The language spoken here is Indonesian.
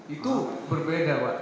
itu berbeda wak